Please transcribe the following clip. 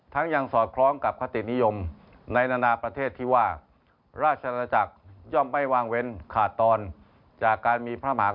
ทั้งยังสอดคล้องกับควะตินนิยมในนาประเทศที่ว่าราชราชกรย่อมไม่วางเว้นขาดตอนจากการมีพระมหากษัตริย์